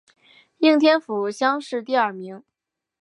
应天府乡试第二名。